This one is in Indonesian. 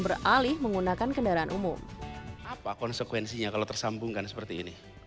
beralih menggunakan kendaraan umum apa konsekuensinya kalau tersambungkan seperti ini